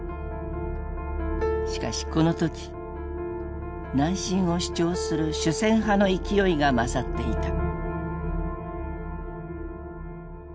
しかしこの時南進を主張する主戦派の勢いが勝っていた。